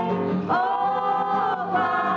oh pak ritu